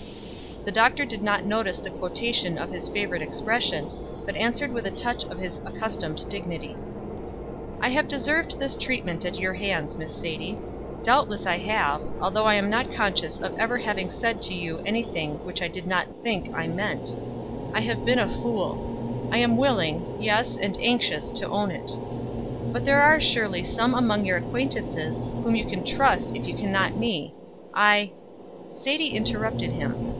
'" The Doctor did not notice the quotation of his favorite expression, but answered with a touch of his accustomed dignity: "I may have deserved this treatment at your hands, Miss Sadie. Doubtless I have, although I am not conscious of ever having said to you any thing which I did not think I meant. I have been a fool. I am willing yes, and anxious to own it. But there are surely some among your acquaintances whom you can trust if you can not me. I " Sadie interrupted him.